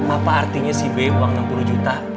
apa artinya si b uang enam puluh juta